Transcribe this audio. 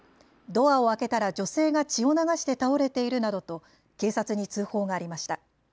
ドアを開けたら女性が血を流して倒れているなどと警察に通報がありました。